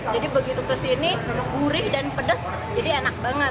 jadi begitu kesini gurih dan pedes jadi enak banget